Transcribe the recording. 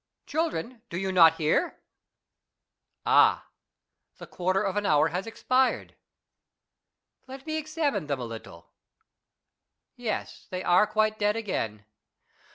Children, do you not hear ?... Ah, the quarter of an hour has expired. Let me examine them a little. Yes, they are quite dead again.